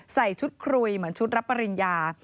ใส่ชุดคุยเหมือนชุดรับปริญญา